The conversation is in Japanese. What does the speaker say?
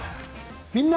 「みんな！